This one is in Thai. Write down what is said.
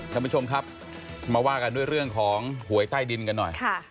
ท่านผู้ชมครับมาว่ากันด้วยเรื่องของหวยใต้ดินกันหน่อย